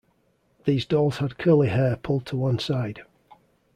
These dolls had curly hair pulled to one side.